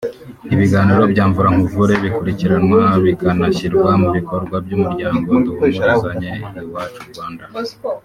Ibiganiro bya Mvura nkuvure bikurikiranwa bikanashyirwa mu bikorwa n’Umuryango Duhumurizanye Iwacu-Rwanda